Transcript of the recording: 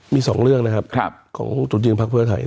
มี๒เรื่องนะครับของจุดยืนพักเพื่อไทย